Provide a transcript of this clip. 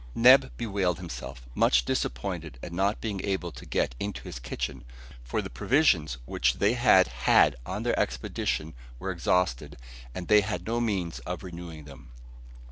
Neb bewailed himself, much disappointed at not being able to get into his kitchen, for the provisions which they had had on their expedition were exhausted, and they had no means of renewing them.